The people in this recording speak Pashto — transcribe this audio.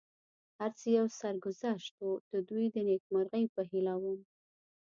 هر څه یو سرګذشت و، د دوی د نېکمرغۍ په هیله ووم.